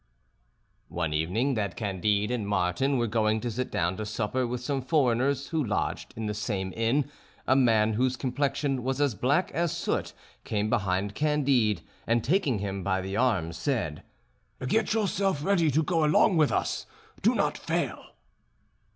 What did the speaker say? One evening that Candide and Martin were going to sit down to supper with some foreigners who lodged in the same inn, a man whose complexion was as black as soot, came behind Candide, and taking him by the arm, said: "Get yourself ready to go along with us; do not fail."